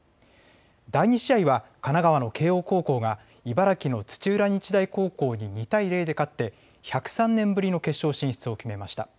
第２試合は神奈川の慶応高校が茨城の土浦日大高校に２対０で勝って１０３年ぶりの決勝進出を決めました。